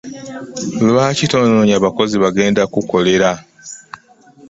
Lwaki tononya bakozi bagenda ku kukolera?